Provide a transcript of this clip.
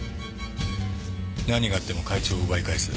何があっても会長を奪い返す。